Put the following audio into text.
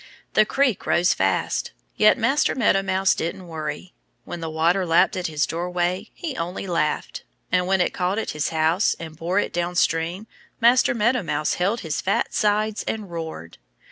The creek rose fast. Yet Master Meadow Mouse didn't worry. When the water lapped at his doorway he only laughed. And when it caught at his house and bore it downstream Master Meadow Mouse held his fat sides and roared.